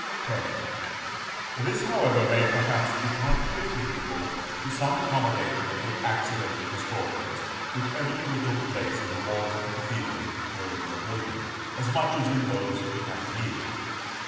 X. This, however, may perhaps be partly attributable to some accommodation of the accidental distortions which evidently took place in the walls of the cathedral during their building, as much as in those of the campanile.